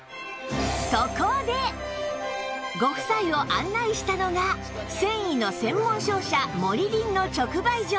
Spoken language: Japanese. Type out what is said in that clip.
ご夫妻を案内したのが繊維の専門商社モリリンの直売所